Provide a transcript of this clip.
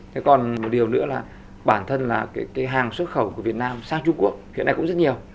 thế còn một điều nữa là bản thân là cái hàng xuất khẩu của việt nam sang trung quốc hiện nay cũng rất nhiều